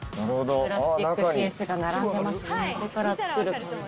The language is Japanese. プラスチックケースが並んでますね。